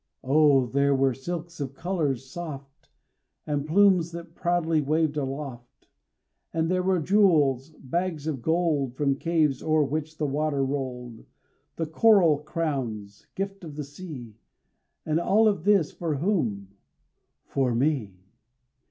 Oh! there were silks of colors soft, And plumes that proudly waved aloft; And there were jewels, bags of gold, From caves o'er which the water rolled, And coral crowns gifts of the sea And all of this for whom? _For me.